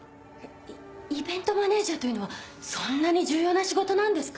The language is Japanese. イベントマネージャーというのはそんなに重要な仕事なんですか？